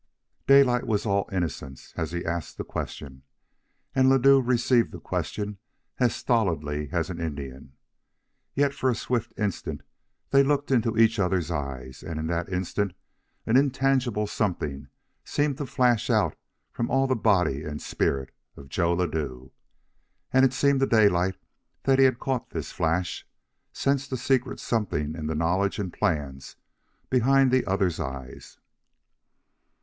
Daylight was all innocence as he asked the question, and Ladue received the question as stolidly as an Indian. Yet for a swift instant they looked into each other's eyes, and in that instant an intangible something seemed to flash out from all the body and spirit of Joe Ladue. And it seemed to Daylight that he had caught this flash, sensed a secret something in the knowledge and plans behind the other's eyes.